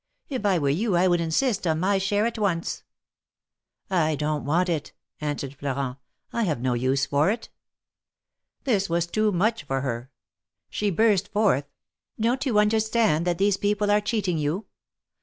If I were you I would insist on my share and at once." THE MARKETS OF PARIS. 251 I don't want it/' answered Florent. I have no use for it." This was too much for her. She burst forth : Don't you understand that these people are cheating you?